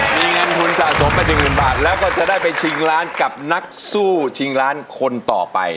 มีเงินทุนสะสมไป๑๐๐๐บาทแล้วก็จะได้ไปชิงล้านกับนักสู้ชิงล้านคนต่อไป